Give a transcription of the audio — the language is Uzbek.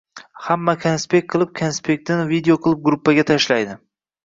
Hamma konspekt qilib, konspektini video qilib gruppaga tashlaydi